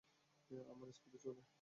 আমার স্পটে চলে।